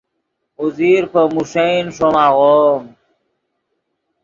اوزیر پے موݰین ݰوم آغوم